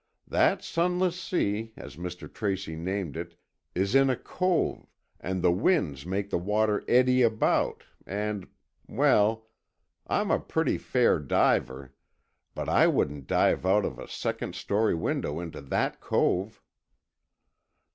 That Sunless Sea, as Mr. Tracy named it, is in a cove and the winds make the water eddy about, and—well, I'm a pretty fair diver, but I wouldn't dive out of a second story window into that cove!"